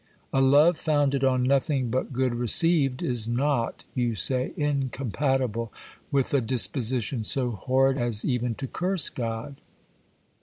A love founded on nothing but good received is not, you say, incompatible with a disposition so horrid as even to curse God.